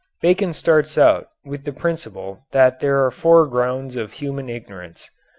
Bacon starts out with the principle that there are four grounds of human ignorance.